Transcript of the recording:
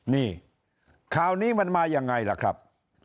นี่ข่าวนี้มันมายังไงล่ะครับ